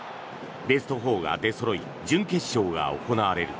ベスト４が出そろい準決勝が行われる。